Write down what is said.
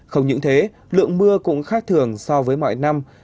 không những thế lượng mưa cũng khác thường so với mọi năm